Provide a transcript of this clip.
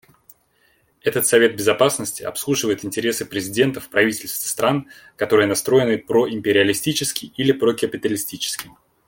Этот Совет Безопасности обслуживает интересы президентов, правительств и стран, которые настроены проимпериалистически или прокапиталистически.